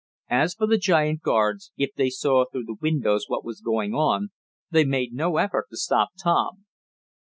As for the giant guards, if they saw through the windows what was going on, they made no effort to stop Tom.